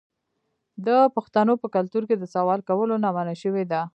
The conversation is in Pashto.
د پښتنو په کلتور کې د سوال کولو نه منع شوې ده.